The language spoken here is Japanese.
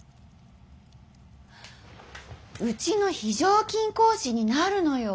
うちの非常勤講師になるのよ。